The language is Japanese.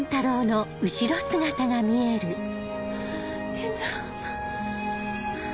倫太郎さん。